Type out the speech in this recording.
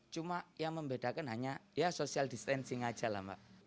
cuma yang membedakan hanya ya social distancing aja lah mbak